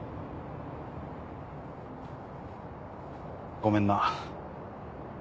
ごめんな。